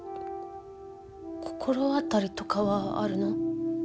心当たりとかはあるの？